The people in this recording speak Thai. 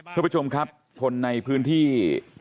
คุณผู้ชมครับคนในพื้นที่